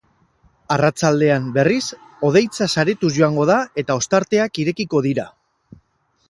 Arratsaldean, berriz, hodeitza saretuz joango da eta ostarteak irekiko dira.